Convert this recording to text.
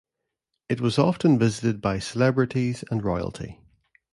It was often visited by celebrities and royalty.